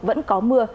vẫn có mưa